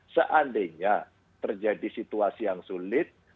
seandainya terjadi situasi yang sulit